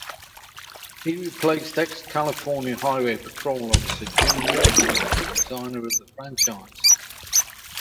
He replaced ex-California Highway Patrol officer Jim Walls as the designer of the franchise.